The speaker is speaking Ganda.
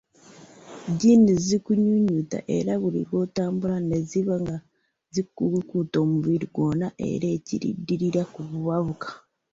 Jeans zikunyunyunta era buli lw'otambula ne ziba nga zikukuuta omubiri gwonna era ekiddirira kubabuka.